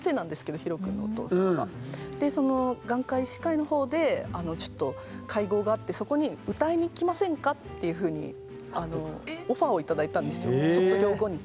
その眼科医師会のほうで会合があってそこに「歌いに来ませんか？」っていうふうにオファーを頂いたんですよ卒業後に。